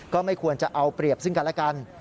ก็ไม่ควรจะเอาเปรียบซึ่งกันและกัน